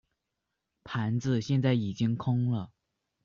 盘子现在已经空了。